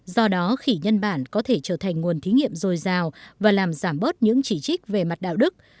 do đó khỉ nhân bản có thể trở thành nguồn thí nghiệm dồi dào và làm giảm bớt những chỉ trích về mặt đạo đức